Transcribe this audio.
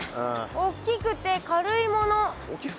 大きくて軽いもの？